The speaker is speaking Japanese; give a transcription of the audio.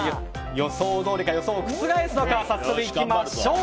予想どおりか、予想を覆すのか早速行きましょう。